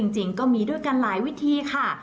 จริงก็มีด้วยกันหลายวิธีค่ะ